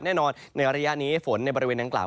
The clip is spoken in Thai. แน่นอนในระยะนี้ฝนในบริเวณดังกล่าว